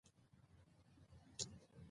تذکره د شاعرانو پر ژوند باندي لیکل کېږي.